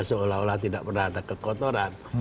seolah olah tidak pernah ada kekotoran